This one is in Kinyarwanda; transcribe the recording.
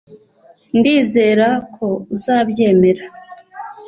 ndizera ko uzabyemera